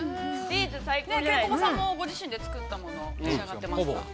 ◆ケンコバさんもご自身で作ったものを召し上がっていますが。